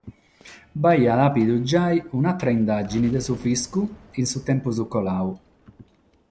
B'aiat àpidu giai un'àtera indàgine de su fiscu, in su tempus coladu.